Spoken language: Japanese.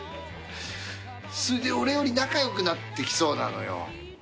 それで俺より仲よくなってきそうなのよ。